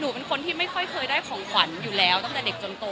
เป็นคนที่ไม่ค่อยเคยได้ของขวัญอยู่แล้วตั้งแต่เด็กจนโต